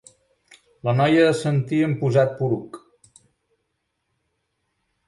La noia assentí amb posat poruc.